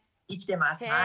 生きてます。